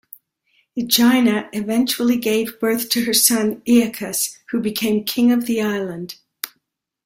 Aegina eventually gave birth to her son Aeacus, who became king of the island.